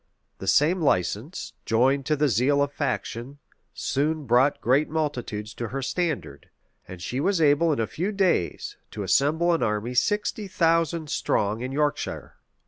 The same license, joined to the zeal of faction, soon brought great multitudes to her standard; and she was able, in a few days, to assemble an army sixty thousand strong in Yorkshire.